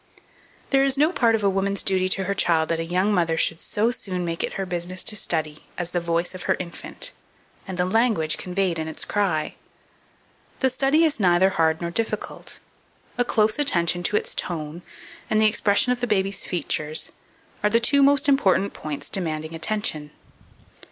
2468. There is no part of a woman's duty to her child that a young mother should so soon make it her business to study, as the voice of her infant, and the language conveyed in its cry. The study is neither hard nor difficult; a close attention to its tone, and the expression of the baby's features, are the two most important points demanding attention.